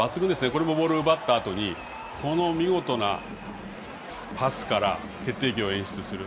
これもボール奪ったあとに、この見事なパスから決定機を演出する。